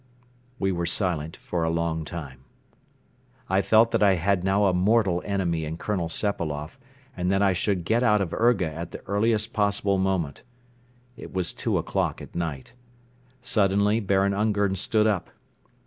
We were silent for a long time. I felt that I had now a mortal enemy in Colonel Sepailoff and that I should get out of Urga at the earliest possible moment. It was two o'clock at night. Suddenly Baron Ungern stood up.